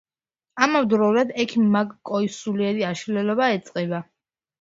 ამავდროულად ექიმ მაკ-კოის სულიერი აშლილობა ეწყება.